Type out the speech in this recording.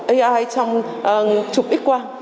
ai trong chụp x quang